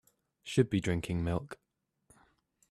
Should be drinking milk.